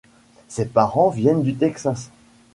Ses parents viennent du Texas.